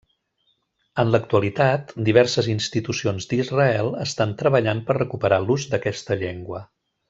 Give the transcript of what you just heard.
En l'actualitat, diverses institucions d'Israel estan treballant per recuperar l'ús d'aquesta llengua.